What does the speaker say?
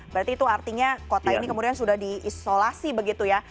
berarti itu artinya kota ini kemudian sudah diisolasi begitu ya